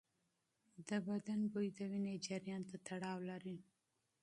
د بدن بوی د وینې جریان ته تړاو لري.